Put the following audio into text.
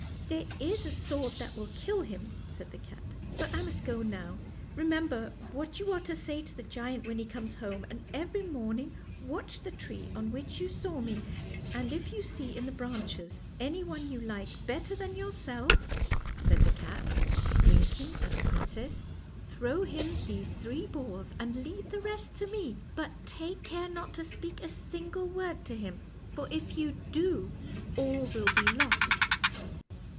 " There is a sword that will kill him," said the cat; "but I must go now. Remember what you are to say to the giant when he comes home, and every morning watch the tree on which you saw me, and if you see in the branches anyone you like better than yourself," said the cat, wink 128 FAIRY TALES ing at the princess, " throw him these three balls and leave the rest to me; but take care not to speak a single word to him, for if you do all will be lost."